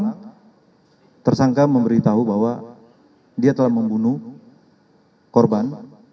karena tersangka memberitahu bahwa dia telah membunuh korban